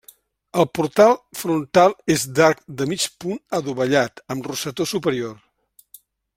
El portal frontal és d'arc de mig punt adovellat, amb rosetó superior.